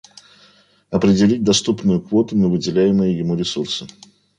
Определить доступную квоту на выделяемые ему ресурсы